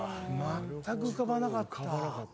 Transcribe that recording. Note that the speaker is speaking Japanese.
まったく浮かばなかった。